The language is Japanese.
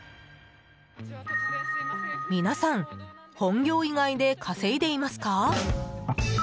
皆さん本業以外で稼いでいますか？